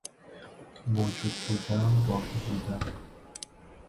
موجود بودن، باقی بودن